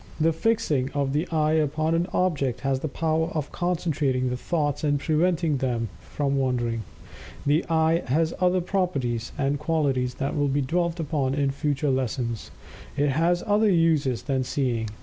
The fixing of the eye upon an object has the power of concentrating the thoughts and preventing them from wandering. The eye has other properties and qualities that will be dwelt upon in future lessons. It has other uses than seeing.